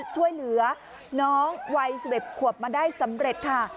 ช่วยเหลือน้องวัย๑๑ขวบมาได้สำเร็จค่ะ